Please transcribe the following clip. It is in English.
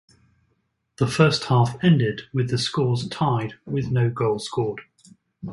The first half ended with the scores tied with no goal scored.